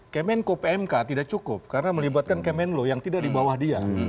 kemenko pmk tidak cukup karena melibatkan kemenlo yang tidak di bawah dia